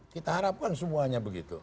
kita harapkan semuanya begitu